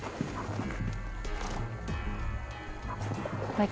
apa yang mau saya tanya